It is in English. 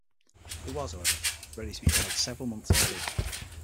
It was, however, ready to be aired several months earlier.